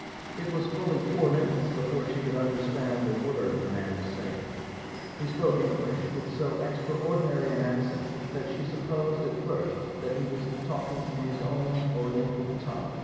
It was fully four minutes before she could under stand a word the man was saying; he spoke English with so extraordinary an accent that she supposed at first that he was talking in his own oriental tongue.